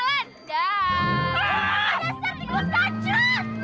wah udah serting gue kacau